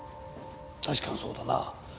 確かにそうだな。